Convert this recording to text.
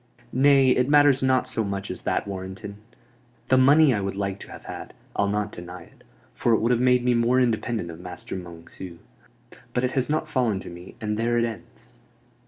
"Nay, it matters not so much as that, Warrenton. The money I would like to have had, I'll not deny it; for it would have made me more independent of Master Monceux. But it has not fallen to me, and there it ends."